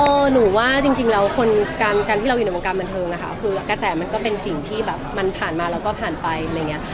หนูว่าจริงแล้วคนการที่เราอยู่ในวงการบันเทิงอะค่ะคือกระแสมันก็เป็นสิ่งที่แบบมันผ่านมาแล้วก็ผ่านไปอะไรอย่างเงี้ย